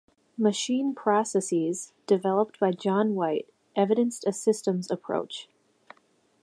'Machine processes', developed by John White evidenced a systems approach.